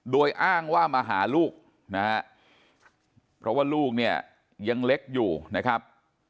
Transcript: โดยอ้างว่ามาหาลูกนะฮะเพราะว่าลูกเนี่ยยังเล็กอยู่นะครับ